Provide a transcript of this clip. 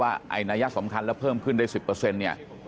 ไอ้นัยสำคัญแล้วเพิ่มขึ้นได้๑๐เนี่ย